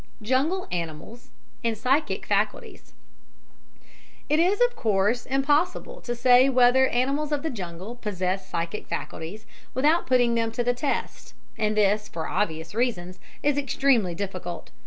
Jungle Animals and Psychic Faculties It is, of course, impossible to say whether animals of the jungle possess psychic faculties, without putting them to the test, and this, for obvious reasons, is extremely difficult.